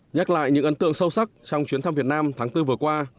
nhắc lại những ấn tượng sâu sắc trong chuyến thăm việt nam tháng bốn vừa qua